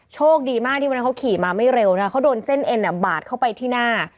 โชคดีมากที่วันนั้นเขาขี่มาไม่เร็วนะเขาโดนเส้นเอ็นบาดเข้าไปที่หน้า